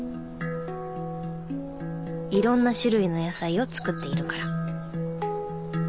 いろんな種類の野菜を作っているから。